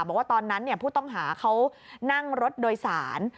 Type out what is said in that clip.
บอกว่าตอนนั้นผู้ต้องหาเขานั่งรถโดยสาร